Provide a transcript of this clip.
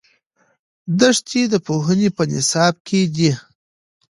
دښتې د پوهنې په نصاب کې دي.